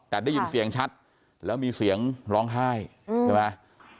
แต่ได้ยินเสียงชัดแล้วมีเสียงร้องไห้ใช่ไหม